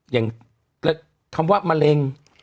อย่างคำว่ามะเร็ง